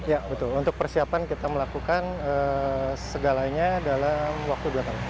ya betul untuk persiapan kita melakukan segalanya dalam waktu dua tahun